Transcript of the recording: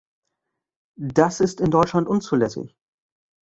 Das ist in Deutschland unzulässig.